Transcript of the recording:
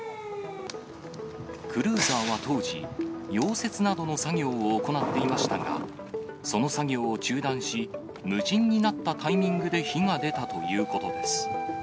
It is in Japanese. クルーザーは当時、溶接などの作業を行っていましたが、その作業を中断し、無人になったタイミングで火が出たということです。